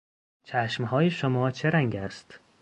چشمهای شما چه رنگ است؟